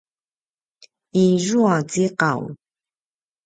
izua ciqaw